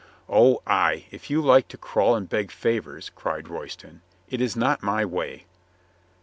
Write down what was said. "Oh, ay, if you like to crawl and beg favors," cried Royston. "It is not my way."